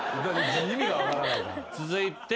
続いて。